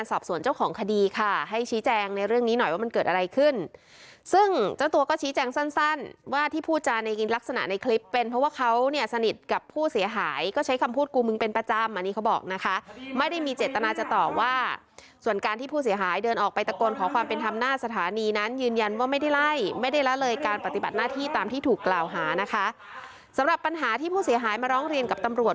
สอบส่วนเจ้าของคดีค่ะให้ชี้แจงในเรื่องนี้หน่อยว่ามันเกิดอะไรขึ้นซึ่งเจ้าตัวก็ชี้แจงสั้นว่าที่พูดจาในลักษณะในคลิปเป็นเพราะว่าเขาเนี่ยสนิทกับผู้เสียหายก็ใช้คำพูดกูมึงเป็นประจำอันนี้เขาบอกนะคะไม่ได้มีเจตนาจะตอบว่าส่วนการที่ผู้เสียหายเดินออกไปตะโกนขอความเป็นธรรมหน้าสถานีน